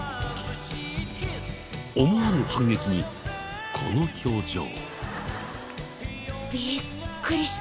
思わぬ反撃にこの表情。